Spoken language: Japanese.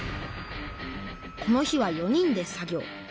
この日は４人で作業。